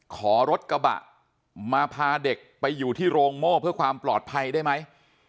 ขอรถกระบะมาพาเด็กไปอยู่ที่โรงโม่เพื่อความปลอดภัยได้ไหม